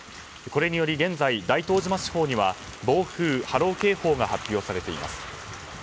これにより現在、大東島地方には暴風・波浪警報が発表されています。